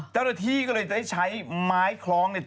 เจ้าหน้าที่ก็เลยได้ใช้ไม้คล้องเนี่ย